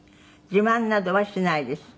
「自慢などはしないです」